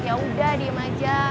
yaudah diem aja